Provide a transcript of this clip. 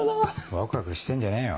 ワクワクしてんじゃねえよ。